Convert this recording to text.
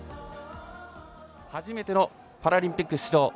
初めてのパラリンピック出場。